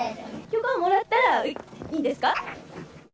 許可をもらったらいいんですか？